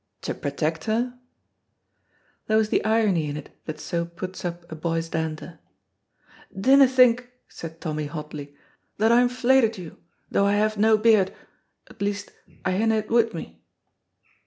"To protect her?" There was the irony in it that so puts up a boy's dander. "Dinna think," said Tommy, hotly, "that I'm fleid at you, though I have no beard at least, I hinna it wi' me."